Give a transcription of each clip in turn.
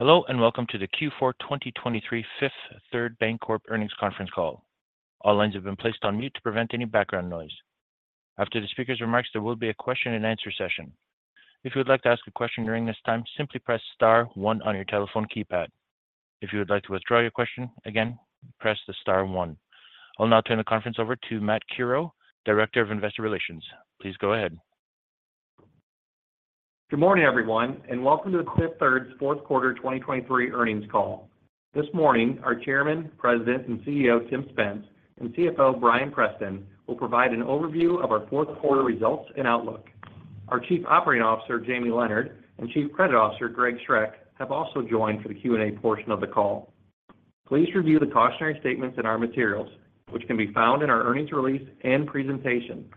Hello, and welcome to the Q4 2023 Fifth Third Bancorp earnings conference call. All lines have been placed on mute to prevent any background noise. After the speaker's remarks, there will be a question and answer session. If you would like to ask a question during this time, simply press star one on your telephone keypad. If you would like to withdraw your question, again, press the star one. I'll now turn the conference over to Matt Curoe, Director of Investor Relations. Please go ahead. Good morning, everyone, and welcome to the Fifth Third's fourth quarter 2023 earnings call. This morning, our Chairman, President, and CEO, Tim Spence, and CFO, Bryan Preston, will provide an overview of our fourth quarter results and outlook. Our Chief Operating Officer, Jamie Leonard, and Chief Credit Officer, Greg Schroeck, have also joined for the Q&A portion of the call. Please review the cautionary statements in our materials, which can be found in our earnings release and presentation.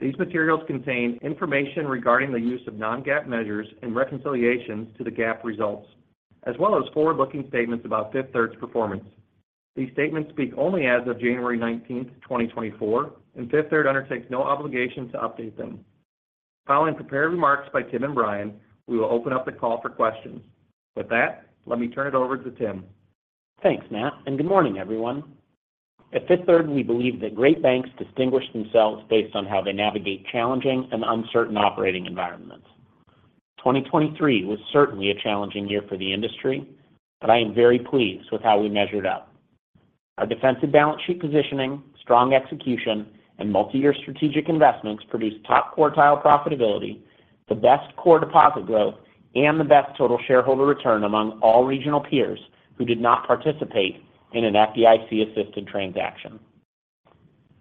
These materials contain information regarding the use of non-GAAP measures and reconciliations to the GAAP results, as well as forward-looking statements about Fifth Third's performance. These statements speak only as of January 19th, 2024, and Fifth Third undertakes no obligation to update them. Following prepared remarks by Tim and Bryan, we will open up the call for questions. With that, let me turn it over to Tim. Thanks, Matt, and good morning, everyone. At Fifth Third, we believe that great banks distinguish themselves based on how they navigate challenging and uncertain operating environments. 2023 was certainly a challenging year for the industry, but I am very pleased with how we measured up. Our defensive balance sheet positioning, strong execution, and multi-year strategic investments produced top-quartile profitability, the best core deposit growth, and the best total shareholder return among all regional peers who did not participate in an FDIC-assisted transaction.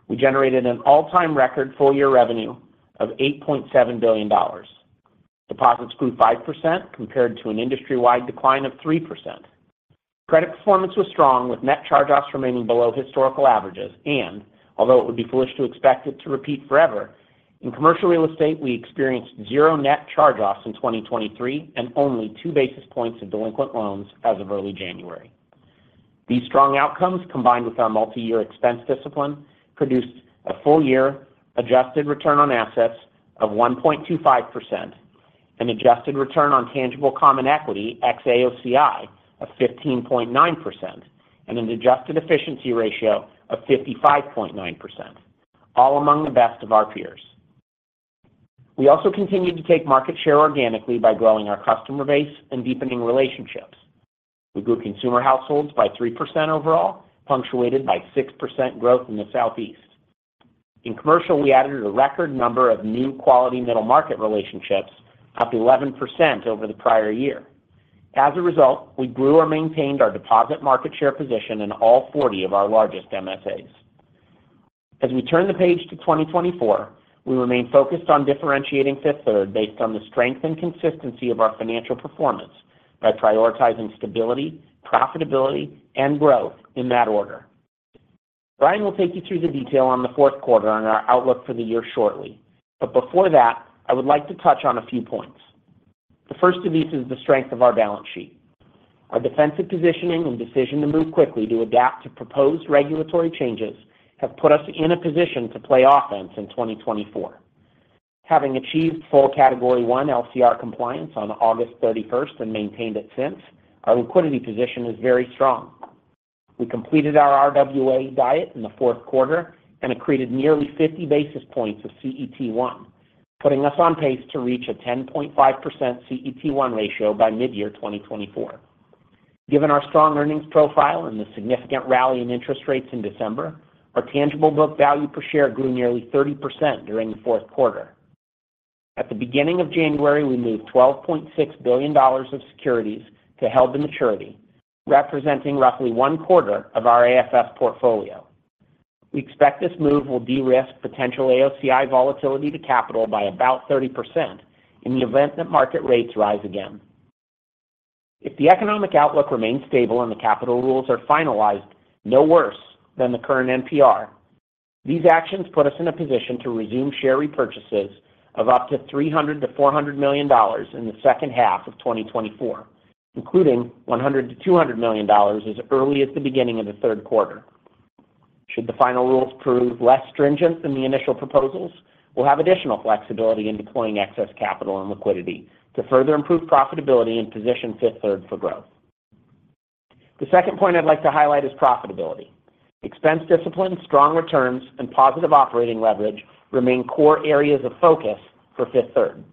We generated an all-time record full-year revenue of $8.7 billion. Deposits grew 5% compared to an industry-wide decline of 3%. Credit performance was strong, with net charge-offs remaining below historical averages, and although it would be foolish to expect it to repeat forever, in commercial real estate, we experienced zero net charge-offs in 2023 and only 2 basis points of delinquent loans as of early January. These strong outcomes, combined with our multi-year expense discipline, produced a full-year adjusted return on assets of 1.25%, an adjusted return on tangible common equity ex-AOCI of 15.9%, and an adjusted efficiency ratio of 55.9%, all among the best of our peers. We also continued to take market share organically by growing our customer base and deepening relationships. We grew consumer households by 3% overall, punctuated by 6% growth in the Southeast. In commercial, we added a record number of new quality middle market relationships, up 11% over the prior year. As a result, we grew or maintained our deposit market share position in all 40 of our largest MSAs. As we turn the page to 2024, we remain focused on differentiating Fifth Third based on the strength and consistency of our financial performance by prioritizing stability, profitability, and growth in that order. Bryan will take you through the detail on the fourth quarter and our outlook for the year shortly, but before that, I would like to touch on a few points. The first of these is the strength of our balance sheet. Our defensive positioning and decision to move quickly to adapt to proposed regulatory changes have put us in a position to play offense in 2024. Having achieved full Category I LCR compliance on August 31st and maintained it since, our liquidity position is very strong. We completed our RWA diet in the fourth quarter and accreted nearly 50 basis points of CET1, putting us on pace to reach a 10.5% CET1 ratio by mid-year 2024. Given our strong earnings profile and the significant rally in interest rates in December, our tangible book value per share grew nearly 30% during the fourth quarter. At the beginning of January, we moved $12.6 billion of securities to held to maturity, representing roughly one quarter of our AFS portfolio. We expect this move will de-risk potential AOCI volatility to capital by about 30% in the event that market rates rise again. If the economic outlook remains stable and the capital rules are finalized, no worse than the current NPR, these actions put us in a position to resume share repurchases of up to $300 million-$400 million in the second half of 2024, including $100 million-$200 million as early as the beginning of the third quarter. Should the final rules prove less stringent than the initial proposals, we'll have additional flexibility in deploying excess capital and liquidity to further improve profitability and position Fifth Third for growth. The second point I'd like to highlight is profitability. Expense discipline, strong returns, and positive operating leverage remain core areas of focus for Fifth Third.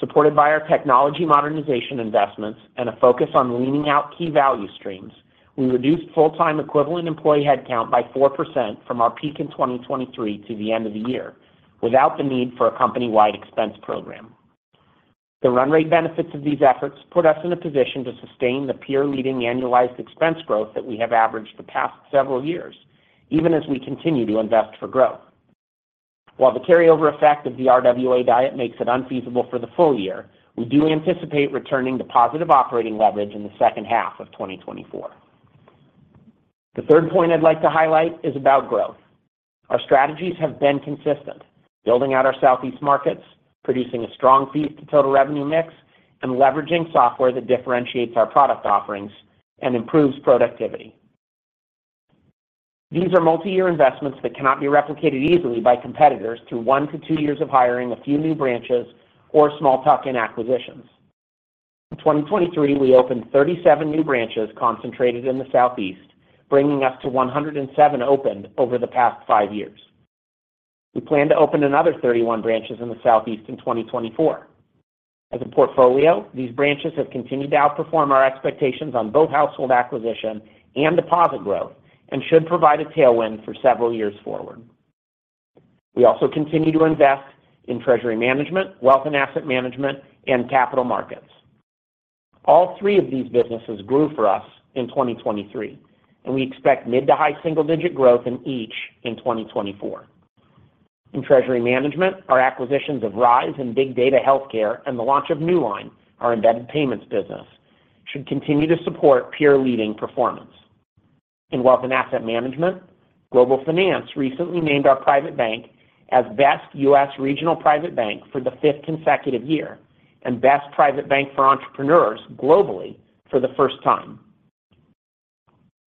Supported by our technology modernization investments and a focus on leaning out key value streams, we reduced full-time equivalent employee headcount by 4% from our peak in 2023 to the end of the year, without the need for a company-wide expense program. The run rate benefits of these efforts put us in a position to sustain the peer-leading annualized expense growth that we have averaged the past several years, even as we continue to invest for growth. While the carryover effect of the RWA diet makes it unfeasible for the full year, we do anticipate returning to positive operating leverage in the second half of 2024. The third point I'd like to highlight is about growth. Our strategies have been consistent: building out our Southeast markets, producing a strong fee to total revenue mix, and leveraging software that differentiates our product offerings and improves productivity. These are multi-year investments that cannot be replicated easily by competitors through 1-2 years of hiring a few new branches or small tuck-in acquisitions. In 2023, we opened 37 new branches concentrated in the Southeast, bringing us to 107 opened over the past 5 years. We plan to open another 31 branches in the Southeast in 2024. As a portfolio, these branches have continued to outperform our expectations on both household acquisition and deposit growth, and should provide a tailwind for several years forward. We also continue to invest in treasury management, wealth and asset management, and capital markets. All three of these businesses grew for us in 2023, and we expect mid to high single-digit growth in each in 2024. In treasury management, our acquisitions of Rize and Big Data Healthcare and the launch of Newline, our embedded payments business, should continue to support peer-leading performance. In wealth and asset management, Global Finance recently named our private bank as Best US Regional Private Bank for the fifth consecutive year, and Best Private Bank for Entrepreneurs globally for the first time.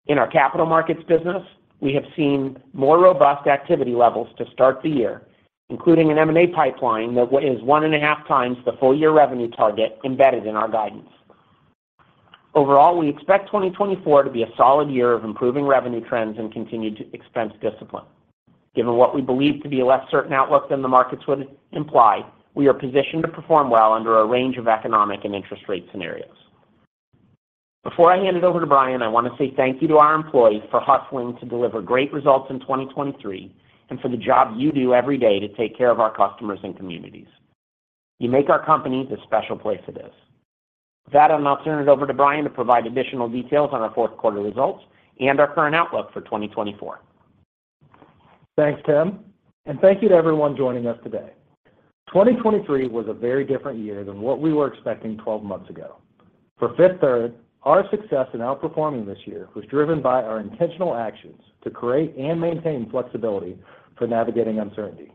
In our capital markets business, we have seen more robust activity levels to start the year, including an M&A pipeline that is one and a half times the full year revenue target embedded in our guidance. Overall, we expect 2024 to be a solid year of improving revenue trends and continued expense discipline. Given what we believe to be a less certain outlook than the markets would imply, we are positioned to perform well under a range of economic and interest rate scenarios. Before I hand it over to Bryan, I want to say thank you to our employees for hustling to deliver great results in 2023, and for the job you do every day to take care of our customers and communities. You make our company the special place it is. With that, I'll now turn it over to Bryan to provide additional details on our fourth quarter results and our current outlook for 2024. Thanks, Tim, and thank you to everyone joining us today. 2023 was a very different year than what we were expecting twelve months ago. For Fifth Third, our success in outperforming this year was driven by our intentional actions to create and maintain flexibility for navigating uncertainty.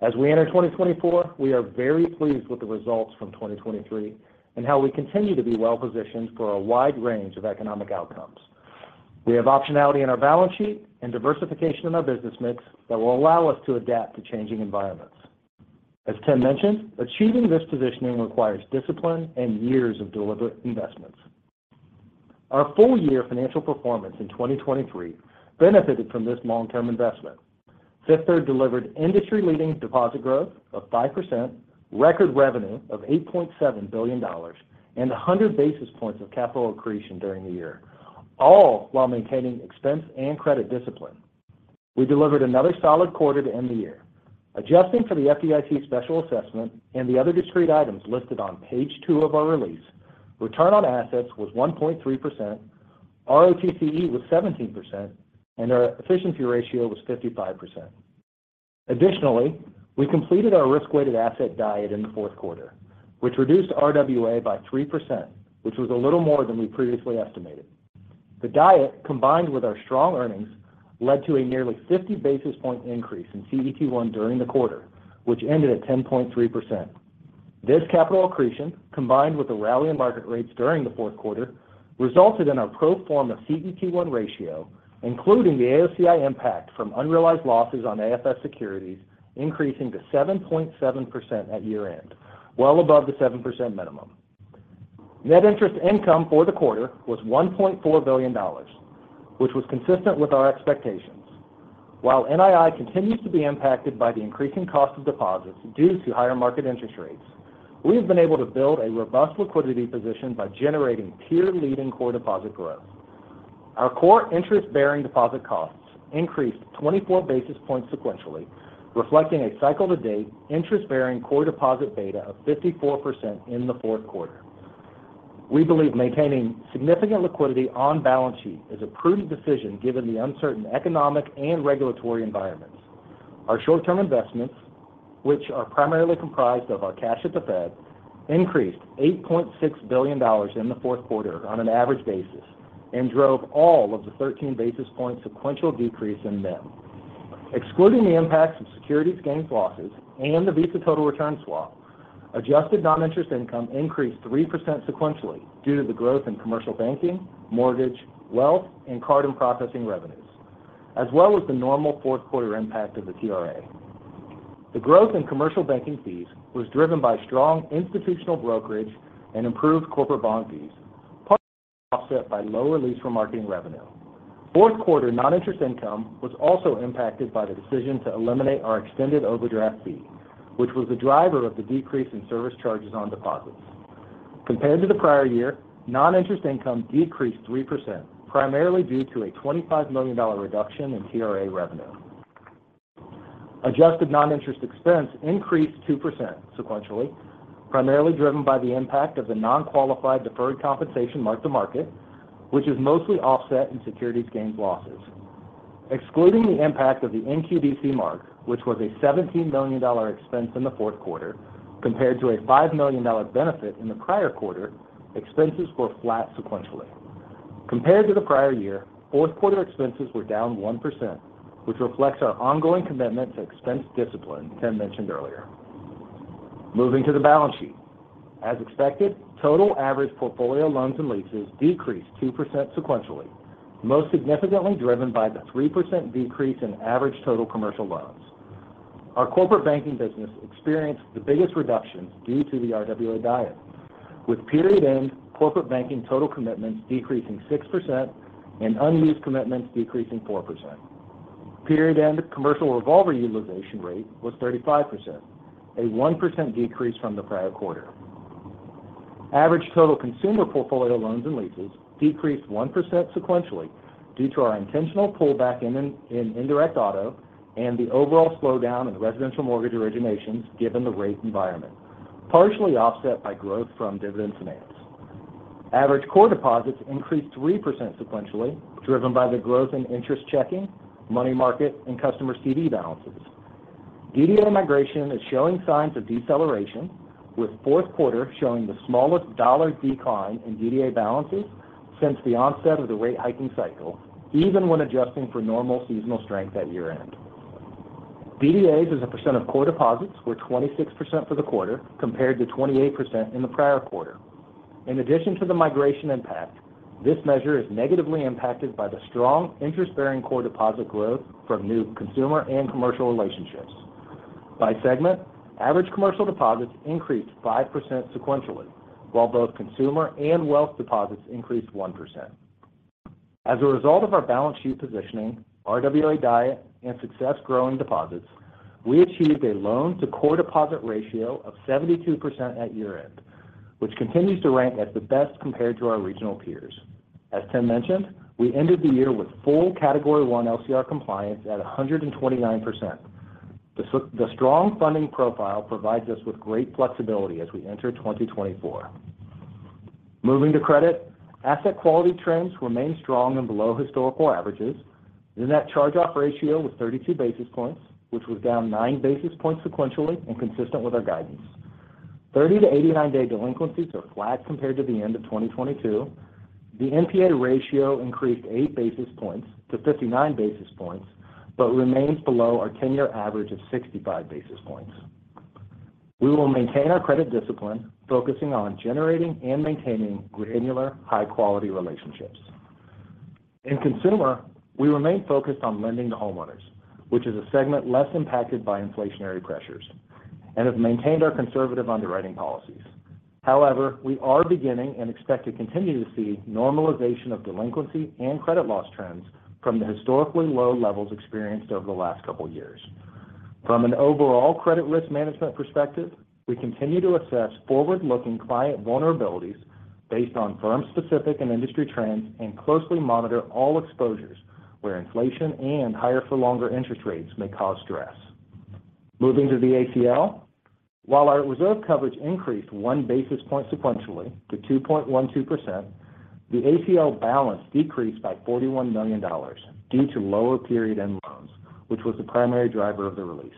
As we enter 2024, we are very pleased with the results from 2023 and how we continue to be well positioned for a wide range of economic outcomes. We have optionality in our balance sheet and diversification in our business mix that will allow us to adapt to changing environments. As Tim mentioned, achieving this positioning requires discipline and years of deliberate investments. Our full year financial performance in 2023 benefited from this long-term investment. Fifth Third delivered industry-leading deposit growth of 5%, record revenue of $8.7 billion, and 100 basis points of capital accretion during the year, all while maintaining expense and credit discipline. We delivered another solid quarter to end the year. Adjusting for the FDIC special assessment and the other discrete items listed on page 2 of our release, return on assets was 1.3%, ROTCE was 17%, and our efficiency ratio was 55%. Additionally, we completed our risk-weighted asset diet in the fourth quarter, which reduced RWA by 3%, which was a little more than we previously estimated. The diet, combined with our strong earnings, led to a nearly 50 basis point increase in CET1 during the quarter, which ended at 10.3%. This capital accretion, combined with the rally in market rates during the fourth quarter, resulted in our pro forma CET1 ratio, including the AOCI impact from unrealized losses on AFS securities, increasing to 7.7% at year-end, well above the 7% minimum. Net interest income for the quarter was $1.4 billion, which was consistent with our expectations. While NII continues to be impacted by the increasing cost of deposits due to higher market interest rates, we have been able to build a robust liquidity position by generating peer-leading core deposit growth. Our core interest-bearing deposit costs increased 24 basis points sequentially, reflecting a cycle-to-date interest-bearing core deposit beta of 54% in the fourth quarter. We believe maintaining significant liquidity on balance sheet is a prudent decision, given the uncertain economic and regulatory environments. Our short-term investments, which are primarily comprised of our cash at the Fed, increased $8.6 billion in the fourth quarter on an average basis and drove all of the 13 basis points sequential decrease in NIM. Excluding the impacts of securities gains, losses and the Visa total return swap, adjusted non-interest income increased 3% sequentially due to the growth in commercial banking, mortgage, wealth, and card and processing revenues, as well as the normal fourth quarter impact of the TRA. The growth in commercial banking fees was driven by strong institutional brokerage and improved corporate bond fees, partly offset by lower lease remarketing revenue. Fourth quarter non-interest income was also impacted by the decision to eliminate our extended overdraft fee, which was the driver of the decrease in service charges on deposits. Compared to the prior year, non-interest income decreased 3%, primarily due to a $25 million reduction in TRA revenue. Adjusted non-interest expense increased 2% sequentially, primarily driven by the impact of the non-qualified deferred compensation mark-to-market, which is mostly offset in securities gains losses. Excluding the impact of the NQDC mark, which was a $17 million expense in the fourth quarter compared to a $5 million benefit in the prior quarter, expenses were flat sequentially. Compared to the prior year, fourth quarter expenses were down 1%, which reflects our ongoing commitment to expense discipline Tim mentioned earlier. Moving to the balance sheet. As expected, total average portfolio loans and leases decreased 2% sequentially, most significantly driven by the 3% decrease in average total commercial loans. Our corporate banking business experienced the biggest reduction due to the RWA diet, with period-end corporate banking total commitments decreasing 6% and unused commitments decreasing 4%. Period-end commercial revolver utilization rate was 35%, a 1% decrease from the prior quarter. Average total consumer portfolio loans and leases decreased 1% sequentially due to our intentional pullback in indirect auto and the overall slowdown in residential mortgage originations, given the rate environment, partially offset by growth from Dividend Finance. Average core deposits increased 3% sequentially, driven by the growth in interest checking, money market, and customer CD balances. DDA migration is showing signs of deceleration, with fourth quarter showing the smallest dollar decline in DDA balances since the onset of the rate hiking cycle, even when adjusting for normal seasonal strength at year-end. DDAs as a percent of core deposits were 26% for the quarter, compared to 28% in the prior quarter. In addition to the migration impact, this measure is negatively impacted by the strong interest-bearing core deposit growth from new consumer and commercial relationships. By segment, average commercial deposits increased 5% sequentially, while both consumer and wealth deposits increased 1%. As a result of our balance sheet positioning, RWA growth, and success growing deposits, we achieved a loan to core deposit ratio of 72% at year-end, which continues to rank as the best compared to our regional peers. As Tim mentioned, we ended the year with full Category I LCR compliance at 129%. The strong funding profile provides us with great flexibility as we enter 2024. Moving to credit, asset quality trends remain strong and below historical averages. The net charge-off ratio was 32 basis points, which was down 9 basis points sequentially and consistent with our guidance. 30-89 day delinquencies are flat compared to the end of 2022. The NPA ratio increased 8 basis points to 59 basis points, but remains below our 10-year average of 65 basis points. We will maintain our credit discipline, focusing on generating and maintaining granular, high-quality relationships. In consumer, we remain focused on lending to homeowners, which is a segment less impacted by inflationary pressures, and have maintained our conservative underwriting policies. However, we are beginning and expect to continue to see normalization of delinquency and credit loss trends from the historically low levels experienced over the last couple of years. From an overall credit risk management perspective, we continue to assess forward-looking client vulnerabilities based on firm specific and industry trends, and closely monitor all exposures where inflation and higher for longer interest rates may cause stress. Moving to the ACL. While our reserve coverage increased 1 basis point sequentially to 2.12%, the ACL balance decreased by $41 million due to lower period end loans, which was the primary driver of the release.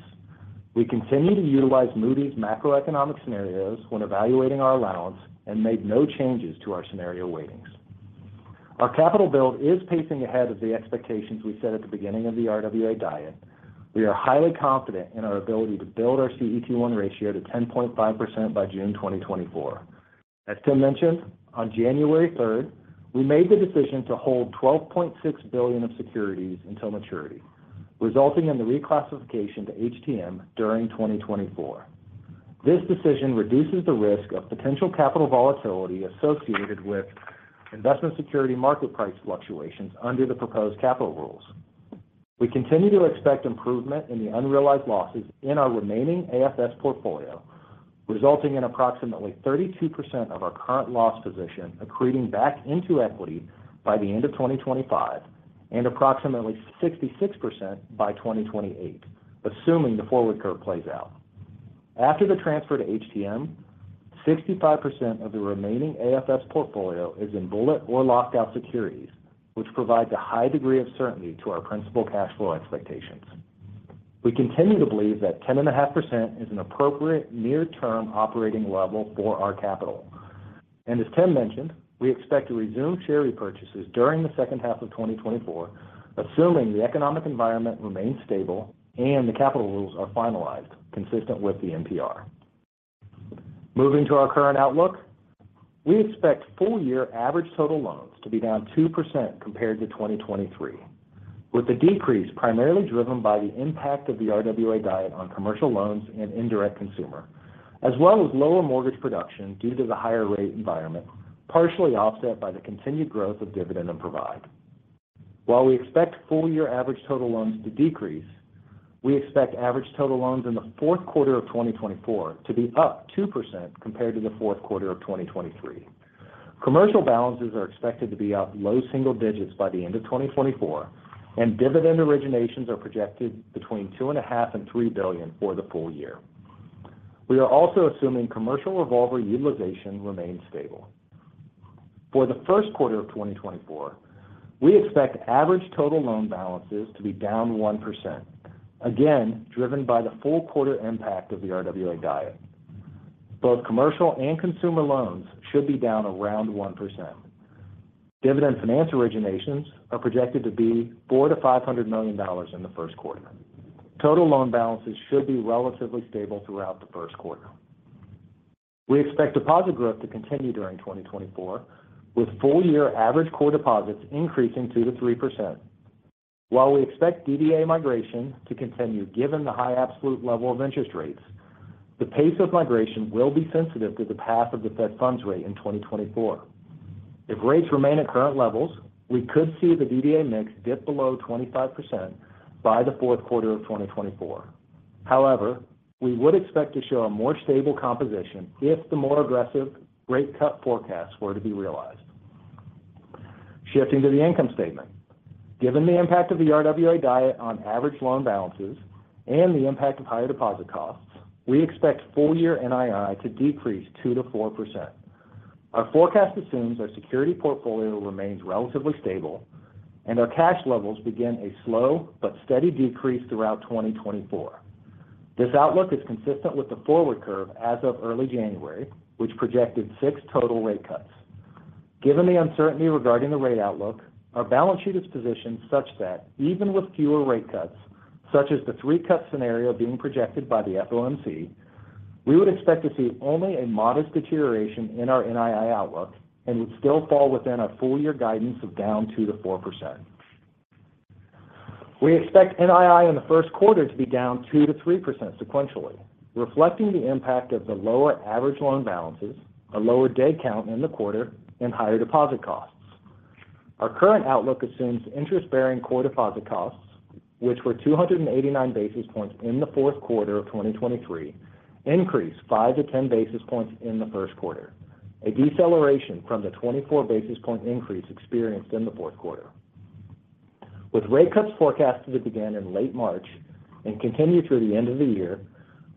We continue to utilize Moody's macroeconomic scenarios when evaluating our allowance and made no changes to our scenario weightings. Our capital build is pacing ahead of the expectations we set at the beginning of the RWA diet. We are highly confident in our ability to build our CET1 ratio to 10.5% by June 2024. As Tim mentioned, on January 3rd, we made the decision to hold $12.6 billion of securities until maturity, resulting in the reclassification to HTM during 2024. This decision reduces the risk of potential capital volatility associated with investment security market price fluctuations under the proposed capital rules. We continue to expect improvement in the unrealized losses in our remaining AFS portfolio, resulting in approximately 32% of our current loss position accreting back into equity by the end of 2025 and approximately 66% by 2028, assuming the forward curve plays out. After the transfer to HTM, 65% of the remaining AFS portfolio is in bullet or locked out securities, which provides a high degree of certainty to our principal cash flow expectations. We continue to believe that 10.5% is an appropriate near-term operating level for our capital. As Tim mentioned, we expect to resume share repurchases during the second half of 2024, assuming the economic environment remains stable and the capital rules are finalized, consistent with the NPR. Moving to our current outlook. We expect full year average total loans to be down 2% compared to 2023, with the decrease primarily driven by the impact of the RWA diet on commercial loans and indirect consumer, as well as lower mortgage production due to the higher rate environment, partially offset by the continued growth of Dividend and Provide. While we expect full year average total loans to decrease, we expect average total loans in the fourth quarter of 2024 to be up 2% compared to the fourth quarter of 2023. Commercial balances are expected to be up low single digits by the end of 2024, and Dividend originations are projected between $2.5 billion and $3 billion for the full year. We are also assuming commercial revolver utilization remains stable. For the first quarter of 2024, we expect average total loan balances to be down 1%, again, driven by the full quarter impact of the RWA diet. Both commercial and consumer loans should be down around 1%. Dividend Finance originations are projected to be $400 million-$500 million in the first quarter. Total loan balances should be relatively stable throughout the first quarter. We expect deposit growth to continue during 2024, with full year average core deposits increasing 2%-3%. While we expect DDA migration to continue, given the high absolute level of interest rates, the pace of migration will be sensitive to the path of the Fed funds rate in 2024. If rates remain at current levels, we could see the DDA mix dip below 25% by the fourth quarter of 2024. However, we would expect to show a more stable composition if the more aggressive rate cut forecasts were to be realized. Shifting to the income statement. Given the impact of the RWA diet on average loan balances and the impact of higher deposit costs, we expect full year NII to decrease 2%-4%. Our forecast assumes our security portfolio remains relatively stable, and our cash levels begin a slow but steady decrease throughout 2024. This outlook is consistent with the forward curve as of early January, which projected 6 total rate cuts. Given the uncertainty regarding the rate outlook, our balance sheet is positioned such that even with fewer rate cuts, such as the 3-cut scenario being projected by the FOMC, we would expect to see only a modest deterioration in our NII outlook and would still fall within our full year guidance of down 2%-4%. We expect NII in the first quarter to be down 2%-3% sequentially, reflecting the impact of the lower average loan balances, a lower day count in the quarter, and higher deposit costs. Our current outlook assumes interest-bearing core deposit costs, which were 289 basis points in the fourth quarter of 2023, increase 5-10 basis points in the first quarter, a deceleration from the 24 basis point increase experienced in the fourth quarter. With rate cuts forecasted to begin in late March and continue through the end of the year,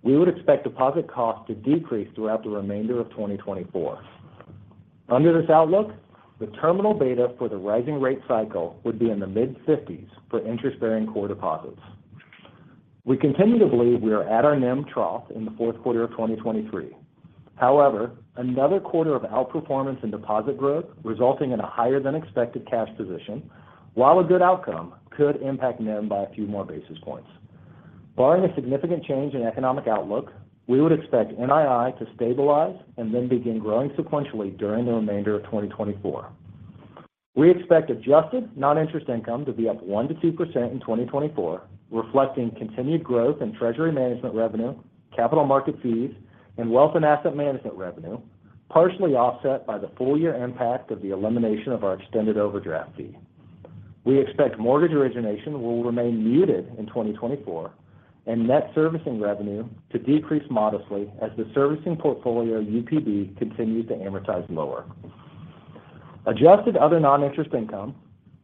we would expect deposit costs to decrease throughout the remainder of 2024. Under this outlook, the terminal beta for the rising rate cycle would be in the mid-50s for interest-bearing core deposits. We continue to believe we are at our NIM trough in the fourth quarter of 2023. However, another quarter of outperformance in deposit growth, resulting in a higher than expected cash position, while a good outcome, could impact NIM by a few more basis points. Barring a significant change in economic outlook, we would expect NII to stabilize and then begin growing sequentially during the remainder of 2024. We expect adjusted non-interest income to be up 1%-2% in 2024, reflecting continued growth in treasury management revenue, capital market fees, and wealth and asset management revenue, partially offset by the full year impact of the elimination of our extended overdraft fee. We expect mortgage origination will remain muted in 2024, and net servicing revenue to decrease modestly as the servicing portfolio of UPB continues to amortize lower. Adjusted other non-interest income,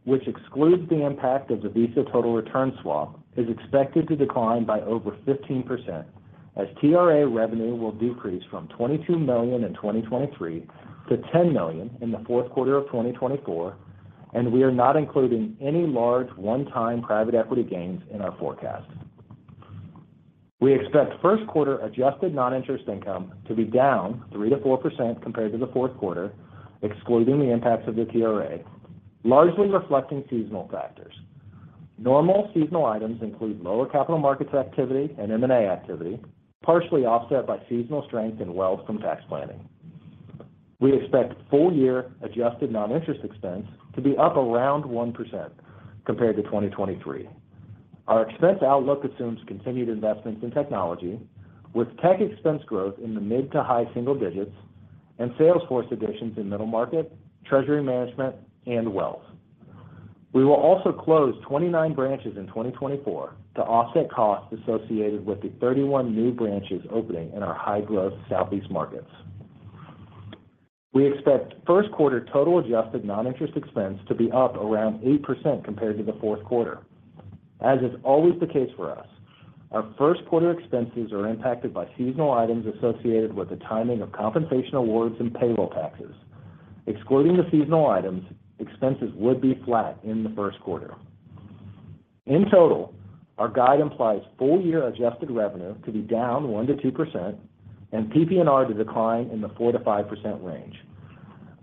which excludes the impact of the Visa total return swap, is expected to decline by over 15%, as TRA revenue will decrease from $22 million in 2023 to $10 million in the fourth quarter of 2024, and we are not including any large one-time private equity gains in our forecast. We expect first quarter adjusted non-interest income to be down 3%-4% compared to the fourth quarter, excluding the impacts of the TRA, largely reflecting seasonal factors. Normal seasonal items include lower capital markets activity and M&A activity, partially offset by seasonal strength in wealth and tax planning. We expect full year adjusted non-interest expense to be up around 1% compared to 2023. Our expense outlook assumes continued investments in technology, with tech expense growth in the mid to high single digits and salesforce additions in middle market, treasury management, and wealth. We will also close 29 branches in 2024 to offset costs associated with the 31 new branches opening in our high-growth Southeast markets. We expect first quarter total adjusted non-interest expense to be up around 8% compared to the fourth quarter. As is always the case for us, our first quarter expenses are impacted by seasonal items associated with the timing of compensation awards and payroll taxes. Excluding the seasonal items, expenses would be flat in the first quarter. In total, our guide implies full year adjusted revenue to be down 1%-2% and PPNR to decline in the 4%-5% range.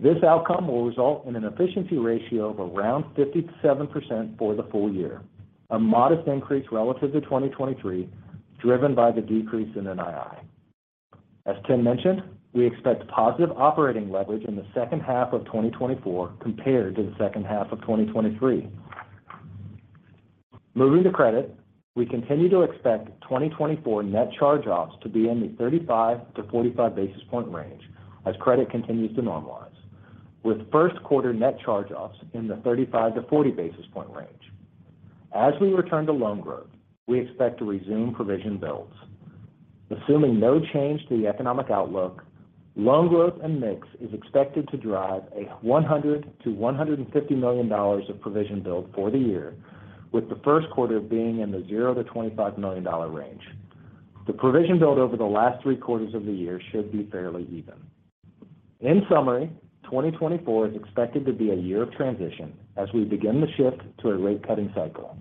This outcome will result in an efficiency ratio of around 57% for the full year, a modest increase relative to 2023, driven by the decrease in NII. As Tim mentioned, we expect positive operating leverage in the second half of 2024 compared to the second half of 2023. Moving to credit, we continue to expect 2024 net charge-offs to be in the 35-45 basis points range as credit continues to normalize, with first quarter net charge-offs in the 35-40 basis points range. As we return to loan growth, we expect to resume provision builds. Assuming no change to the economic outlook, loan growth and mix is expected to drive a $100 million-$150 million of provision build for the year, with the first quarter being in the $0 million-$25 million range. The provision build over the last three quarters of the year should be fairly even. In summary, 2024 is expected to be a year of transition as we begin the shift to a rate cutting cycle.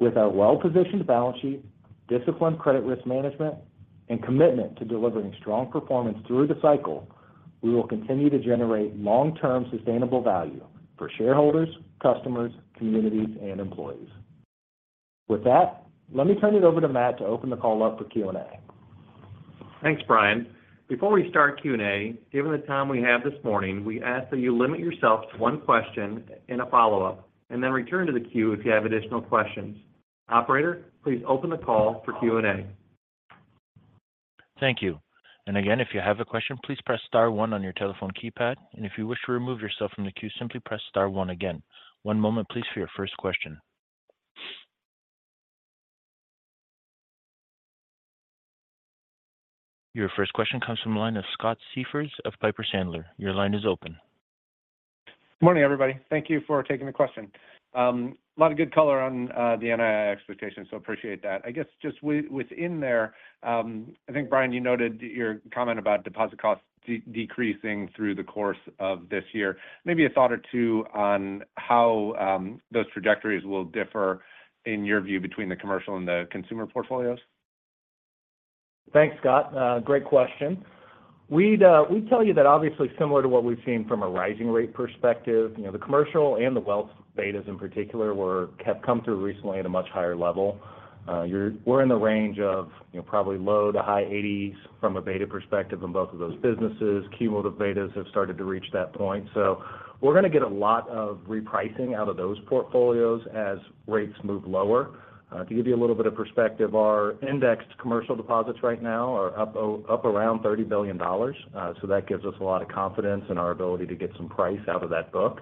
With our well-positioned balance sheet, disciplined credit risk management, and commitment to delivering strong performance through the cycle, we will continue to generate long-term sustainable value for shareholders, customers, communities, and employees. With that, let me turn it over to Matt to open the call up for Q&A. Thanks, Bryan. Before we start Q&A, given the time we have this morning, we ask that you limit yourself to one question and a follow-up, and then return to the queue if you have additional questions. Operator, please open the call for Q&A. Thank you. And again, if you have a question, please press star one on your telephone keypad, and if you wish to remove yourself from the queue, simply press star one again. One moment, please, for your first question. Your first question comes from the line of Scott Siefers of Piper Sandler. Your line is open. Good morning, everybody. Thank you for taking the question. A lot of good color on the NII expectations, so appreciate that. I guess just with, within there, I think, Bryan, you noted your comment about deposit costs decreasing through the course of this year. Maybe a thought or two on how those trajectories will differ in your view between the commercial and the consumer portfolios? Thanks, Scott. Great question. We'd tell you that obviously similar to what we've seen from a rising rate perspective, you know, the commercial and the wealth betas, in particular, have come through recently at a much higher level. We're in the range of, you know, probably low-to-high 80s from a beta perspective in both of those businesses. Cumulative betas have started to reach that point. So we're going to get a lot of repricing out of those portfolios as rates move lower. To give you a little bit of perspective, our indexed commercial deposits right now are up around $30 billion. So that gives us a lot of confidence in our ability to get some price out of that book.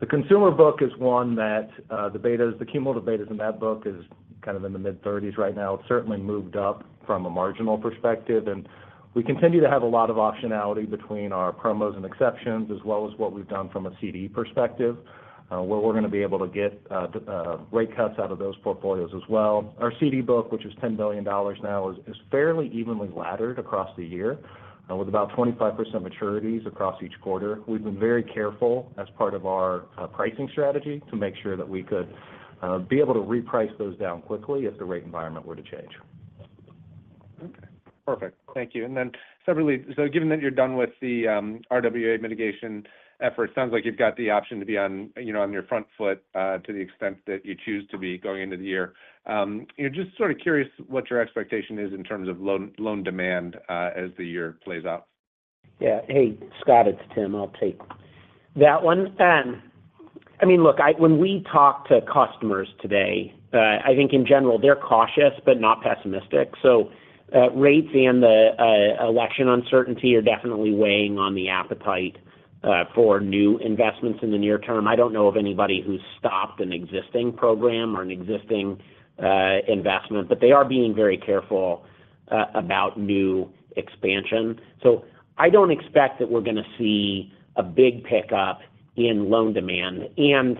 The consumer book is one that, the betas, the cumulative betas in that book is kind of in the mid-30s right now. It's certainly moved up from a marginal perspective, and we continue to have a lot of optionality between our promos and exceptions, as well as what we've done from a CD perspective, where we're going to be able to get, rate cuts out of those portfolios as well. Our CD book, which is $10 billion now, is fairly evenly laddered across the year, with about 25% maturities across each quarter. We've been very careful as part of our, pricing strategy to make sure that we could, be able to reprice those down quickly if the rate environment were to change. Okay, perfect. Thank you. Then separately, so given that you're done with the RWA mitigation effort, sounds like you've got the option to be on, you know, on your front foot, to the extent that you choose to be going into the year. Just sort of curious what your expectation is in terms of loan demand as the year plays out. Yeah. Hey, Scott, it's Tim. I'll take that one. I mean, look, when we talk to customers today, I think in general, they're cautious but not pessimistic. So, rates and the election uncertainty are definitely weighing on the appetite for new investments in the near term. I don't know of anybody who's stopped an existing program or an existing investment, but they are being very careful about new expansion. So I don't expect that we're going to see a big pickup in loan demand, and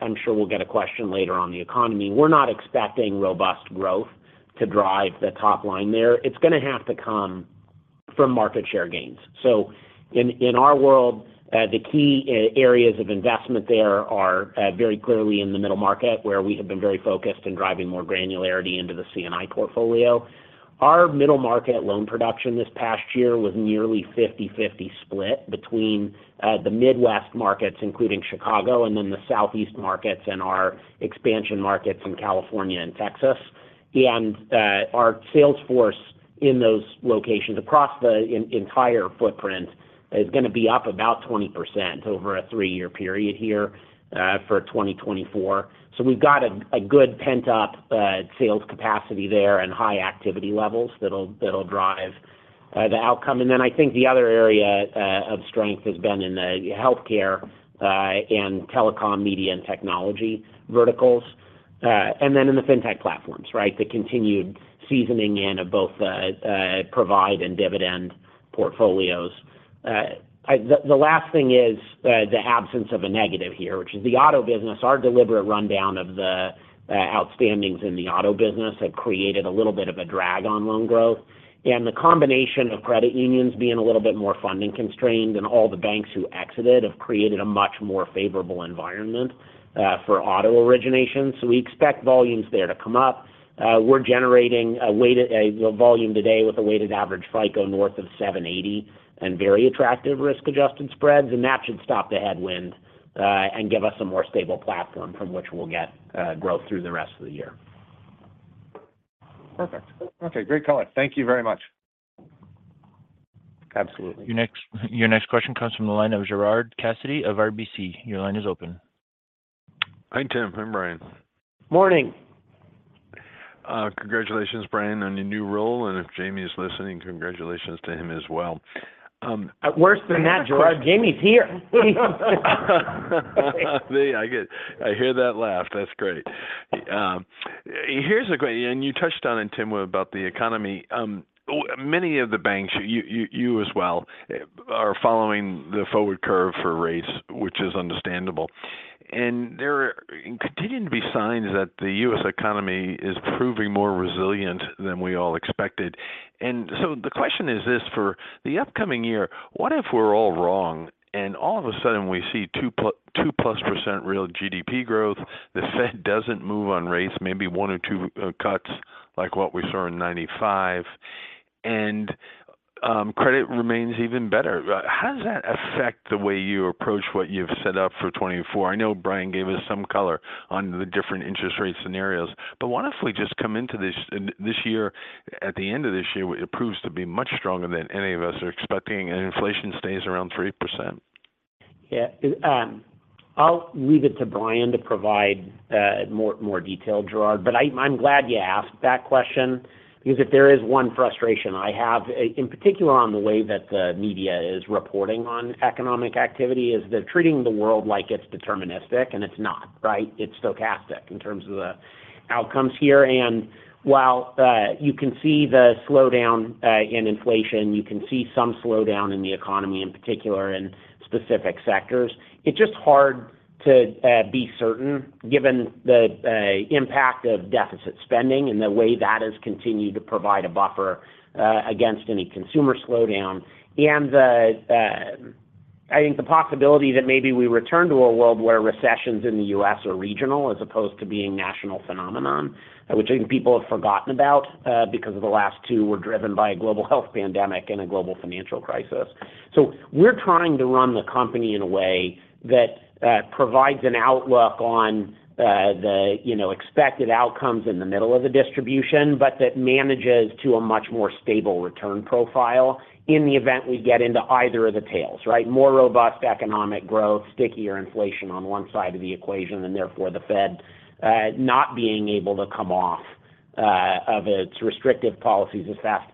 I'm sure we'll get a question later on the economy. We're not expecting robust growth to drive the top line there. It's going to have to come from market share gains. So in our world, the key areas of investment there are very clearly in the middle market, where we have been very focused in driving more granularity into the C&I portfolio. Our middle market loan production this past year was nearly 50/50 split between the Midwest markets, including Chicago, and then the Southeast markets and our expansion markets in California and Texas. And our sales force in those locations across the entire footprint is going to be up about 20% over a three-year period here for 2024. So we've got a good pent-up sales capacity there and high activity levels that'll drive the outcome. And then I think the other area of strength has been in the healthcare and telecom, media, and technology verticals and then in the fintech platforms, right? The continued seasoning in of both the Provide and Dividend portfolios. The last thing is the absence of a negative here, which is the auto business. Our deliberate rundown of the outstandings in the auto business have created a little bit of a drag on loan growth, and the combination of credit unions being a little bit more funding constrained than all the banks who exited have created a much more favorable environment for auto origination. So we expect volumes there to come up. We're generating a weighted average volume today with a weighted average FICO north of 780 and very attractive risk-adjusted spreads, and that should stop the headwind and give us a more stable platform from which we'll get growth through the rest of the year. Perfect. Okay, great color. Thank you very much. Absolutely. Your next question comes from the line of Gerard Cassidy of RBC. Your line is open. Hi, Tim and Bryan. Morning. Congratulations, Bryan, on your new role, and if Jamie is listening, congratulations to him as well. Worse than that, Gerard, Jamie's here. I get it—I hear that laugh. That's great. Here's a question, and you touched on it, Tim, about the economy. Many of the banks, you, you, you as well, are following the Forward Curve for rates, which is understandable. And there are continuing to be signs that the U.S. economy is proving more resilient than we all expected. And so the question is this: for the upcoming year, what if we're all wrong, and all of a sudden we see 2%+, 2%+ real GDP growth, the Fed doesn't move on rates, maybe 1 or 2 cuts like what we saw in 1995? And credit remains even better. How does that affect the way you approach what you've set up for 2024? I know Bryan gave us some color on the different interest rate scenarios, but what if we just come into this, this year, at the end of this year, it proves to be much stronger than any of us are expecting, and inflation stays around 3%? Yeah, I'll leave it to Bryan to provide more detail, Gerard, but I'm glad you asked that question because if there is one frustration I have, in particular, on the way that the media is reporting on economic activity, is they're treating the world like it's deterministic, and it's not, right? It's stochastic in terms of the outcomes here. And while you can see the slowdown in inflation, you can see some slowdown in the economy, in particular in specific sectors, it's just hard to be certain, given the impact of deficit spending and the way that has continued to provide a buffer against any consumer slowdown. And I think the possibility that maybe we return to a world where recessions in the U.S. are regional as opposed to being national phenomenon, which I think people have forgotten about, because of the last two were driven by a global health pandemic and a global financial crisis. So we're trying to run the company in a way that provides an outlook on the, you know, expected outcomes in the middle of the distribution, but that manages to a much more stable return profile in the event we get into either of the tails, right? More robust economic growth, stickier inflation on one side of the equation, and therefore, the Fed not being able to come off of its restrictive policies as fast.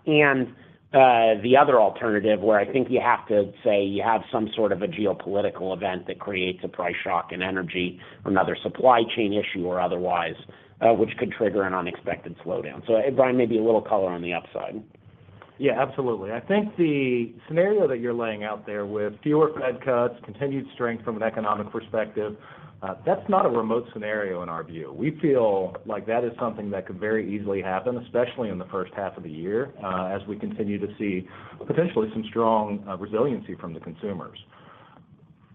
The other alternative, where I think you have to say you have some sort of a geopolitical event that creates a price shock in energy or another supply chain issue or otherwise, which could trigger an unexpected slowdown. So Bryan, maybe a little color on the upside. Yeah, absolutely. I think the scenario that you're laying out there with fewer Fed cuts, continued strength from an economic perspective, that's not a remote scenario in our view. We feel like that is something that could very easily happen, especially in the first half of the year, as we continue to see potentially some strong resiliency from the consumers.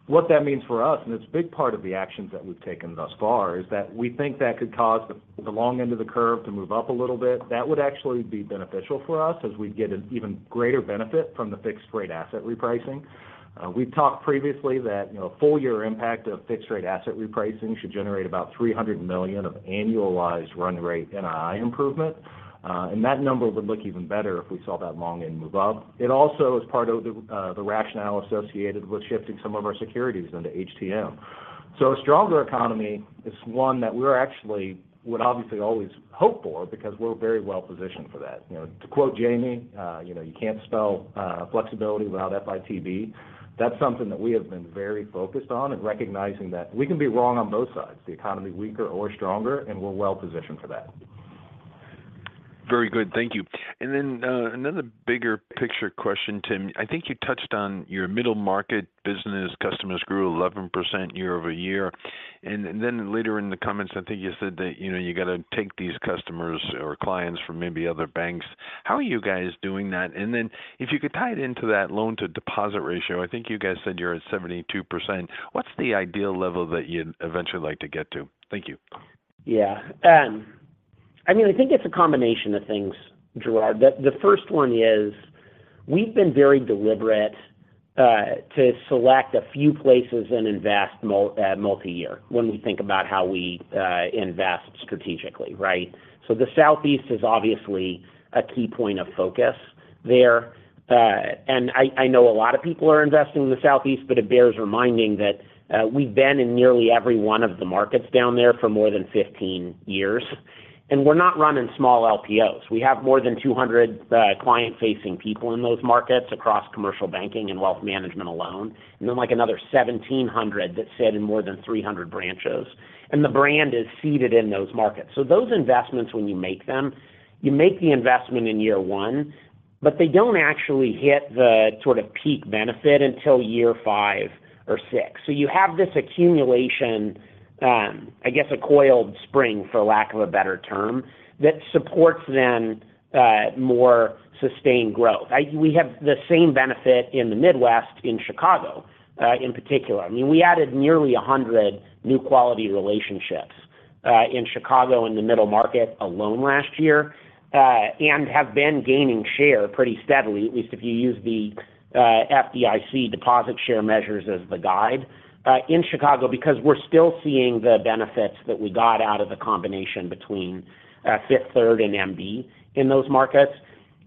What that means for us, and it's a big part of the actions that we've taken thus far, is that we think that could cause the long end of the curve to move up a little bit. That would actually be beneficial for us as we'd get an even greater benefit from the fixed rate asset repricing. We've talked previously that, you know, full year impact of fixed rate asset repricing should generate about $300 million of annualized run rate NII improvement, and that number would look even better if we saw that long end move up. It also is part of the, the rationale associated with shifting some of our securities into HTM. So a stronger economy is one that we're actually would obviously always hope for because we're very well positioned for that. You know, to quote Jamie, "You know, you can't spell flexibility without F-I-T-B." That's something that we have been very focused on and recognizing that we can be wrong on both sides, the economy weaker or stronger, and we're well positioned for that. Very good. Thank you. Then another bigger picture question, Tim. I think you touched on your middle market business. Customers grew 11% year-over-year. And then later in the comments, I think you said that, you know, you got to take these customers or clients from maybe other banks. How are you guys doing that? And then if you could tie it into that loan to deposit ratio, I think you guys said you're at 72%. What's the ideal level that you'd eventually like to get to? Thank you. Yeah. I mean, I think it's a combination of things, Gerard. The first one is we've been very deliberate to select a few places and invest multi-year when we think about how we invest strategically, right? So the Southeast is obviously a key point of focus there, and I know a lot of people are investing in the Southeast, but it bears reminding that we've been in nearly every one of the markets down there for more than 15 years, and we're not running small LPOs. We have more than 200 client-facing people in those markets across commercial banking and wealth management alone, and then, like, another 1,700 that sit in more than 300 branches, and the brand is seeded in those markets. So those investments when you make them, you make the investment in year 1, but they don't actually hit the sort of peak benefit until year 5 or 6. So you have this accumulation, I guess a coiled spring, for lack of a better term, that supports then more sustained growth. We have the same benefit in the Midwest, in Chicago, in particular. I mean, we added nearly 100 new quality relationships in Chicago, in the middle market alone last year, and have been gaining share pretty steadily, at least if you use the FDIC deposit share measures as the guide, in Chicago, because we're still seeing the benefits that we got out of the combination between Fifth Third and MB in those markets.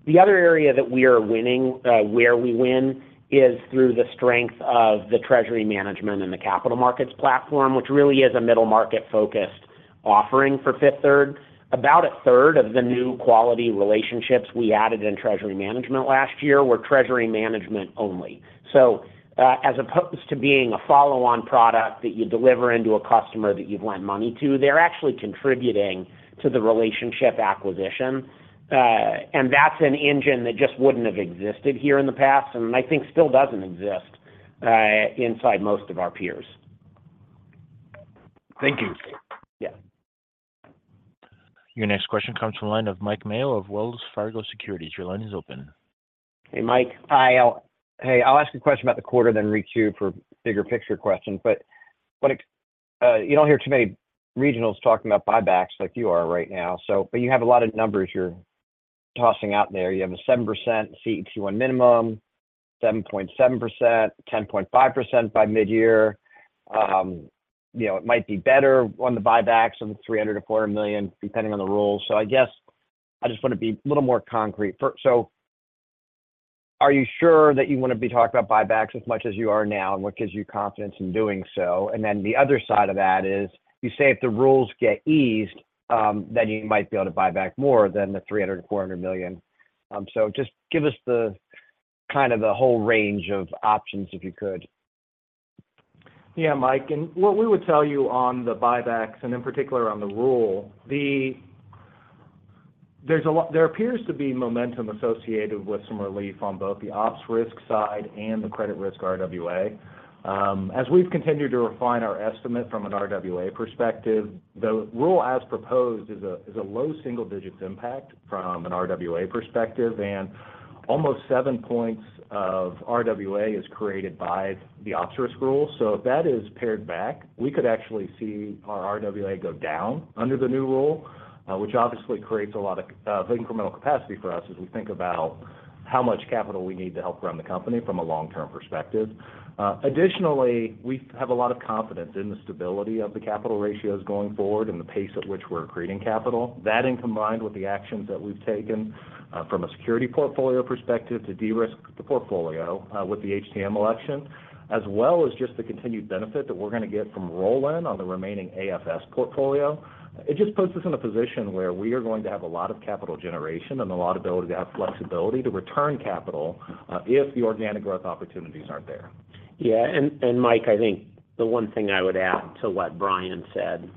The other area that we are winning, where we win, is through the strength of the treasury management and the capital markets platform, which really is a middle market-focused offering for Fifth Third. About a third of the new quality relationships we added in treasury management last year were treasury management only. So, as opposed to being a follow-on product that you deliver into a customer that you've lent money to, they're actually contributing to the relationship acquisition. And that's an engine that just wouldn't have existed here in the past, and I think still doesn't exist, inside most of our peers. Thank you. Yeah. Your next question comes from the line of Mike Mayo of Wells Fargo Securities. Your line is open. Hey, Mike. Hi, I'll ask a question about the quarter, then reach you for bigger picture questions. But, you don't hear too many regionals talking about buybacks like you are right now, so but you have a lot of numbers you're tossing out there. You have a 7% CET1 minimum, 7.7%, 10.5% by mid-year. You know, it might be better on the buybacks on the $300 million-$400 million, depending on the rules. So I guess I just want to be a little more concrete. So are you sure that you want to be talking about buybacks as much as you are now? And what gives you confidence in doing so? And then the other side of that is, you say, if the rules get eased, then you might be able to buy back more than the $300 million-$400 million. So just give us the kind of the whole range of options, if you could. Yeah, Mike, and what we would tell you on the buybacks, and in particular on the rule, there appears to be momentum associated with some relief on both the ops risk side and the credit risk RWA. As we've continued to refine our estimate from an RWA perspective, the rule, as proposed, is a low single digits impact from an RWA perspective, and almost seven points of RWA is created by the ops risk rule. So if that is pared back, we could actually see our RWA go down under the new rule, which obviously creates a lot of incremental capacity for us as we think about how much capital we need to help run the company from a long-term perspective. Additionally, we have a lot of confidence in the stability of the capital ratios going forward and the pace at which we're creating capital. That, and combined with the actions that we've taken, from a security portfolio perspective to de-risk the portfolio, with the HTM election, as well as just the continued benefit that we're going to get from roll-in on the remaining AFS portfolio. It just puts us in a position where we are going to have a lot of capital generation and a lot of ability to have flexibility to return capital, if the organic growth opportunities aren't there. Yeah, and Mike, I think the one thing I would add to what Bryan said